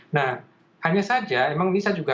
nah hanya saja memang bisa juga